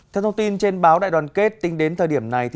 theo thông tin trên báo đại đoàn kết tính đến thời điểm này